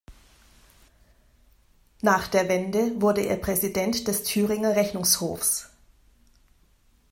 Nach der Wende wurde er Präsident des Thüringer Rechnungshofs.